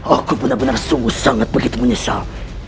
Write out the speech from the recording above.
aku benar benar sungguh sangat begitu menyesal